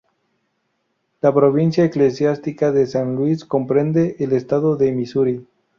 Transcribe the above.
La Provincia Eclesiástica de San Luis comprende el estado de Misuri.